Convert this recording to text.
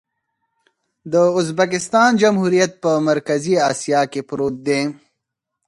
د ازبکستان جمهوریت په مرکزي اسیا کې پروت دی.